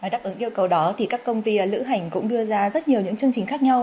đáp ứng yêu cầu đó thì các công ty lữ hành cũng đưa ra rất nhiều những chương trình khác nhau